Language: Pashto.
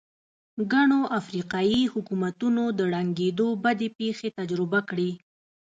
ګڼو افریقايي حکومتونو د ړنګېدو بدې پېښې تجربه کړې.